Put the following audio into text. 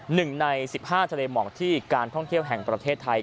หนึ่งในสิบห้าทะเลหมอกที่การท่องเที่ยวแห่งประเทศไทย